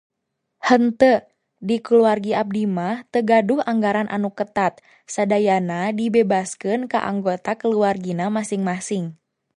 Henteu. Di kulawargi abdi mah teu gaduh anggaran anu ketat. Sadayana dibebaskeun ka anggota kulawargina masing-masing.